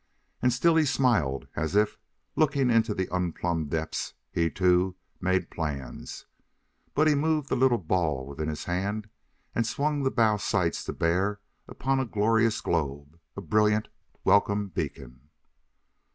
And still he smiled, as if, looking into the unplumbed depths, he, too, made plans. But he moved the little ball within his hand and swung the bow sights to bear upon a glorious globe a brilliant, welcome beacon.